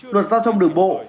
luật giao thông đường bộ